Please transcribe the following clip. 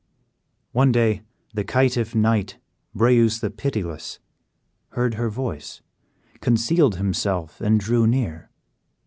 One day the caitiff knight, Breuse the Pitiless, heard her voice, concealed himself, and drew near.